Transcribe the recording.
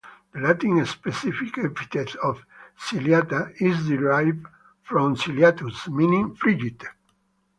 The Latin specific epithet of "ciliata" is derived from "ciliatus" meaning fringed.